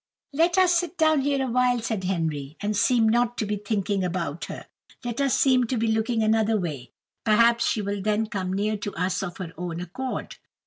"Let us sit down here a little," said Henry, "and seem not to be thinking about her. Let us seem to be looking another way; perhaps she will then come near to us of her own accord."